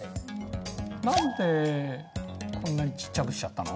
何でこんなにちっちゃくしちゃったの？